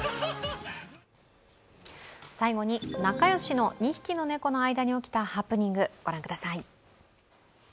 最後に仲良しの２匹の猫の間に起きたハプニング、御覧ください。